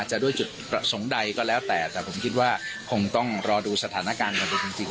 จะด้วยจุดประสงค์ใดก็แล้วแต่แต่ผมคิดว่าคงต้องรอดูสถานการณ์กันไปจริง